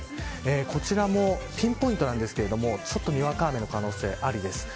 こちらもピンポイントなんですけれどもにわか雨の可能性があります。